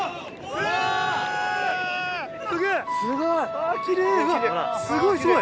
うわすごいすごい。